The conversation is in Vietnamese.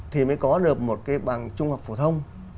thì mới có được một cái bằng trung học phổ thông